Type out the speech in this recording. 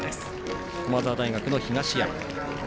駒沢大学の東山。